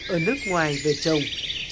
ở nước ngoài về trồng